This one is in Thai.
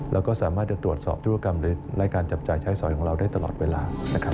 เราก็สามารถจะตรวจสอบธุรกรรมหรือรายการจับจ่ายใช้ส่อยของเราได้ตลอดเวลา